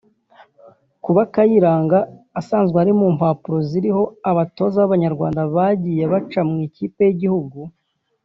Kuba Kayiranga asanzwe ari mu mpapuro ziriho abatoza b’abanyarwanda bagiye baca mu ikipe y’igihugu